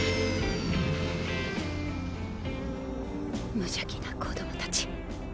無邪気な子どもたち。